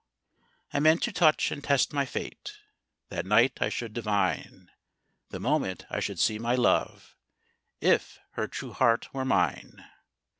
I meant to touch and test my fate; That night I should divine, The moment I should see my love, If her true heart were mine.